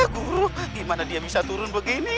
guru gimana dia bisa turun begini